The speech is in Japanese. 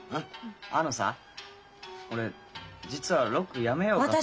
あのさ俺実はロックやめようかと。